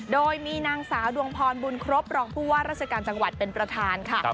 โดยมีนางสาวดวงพรบุญครบรองผู้ว่าราชการจังหวัดเป็นประธานค่ะ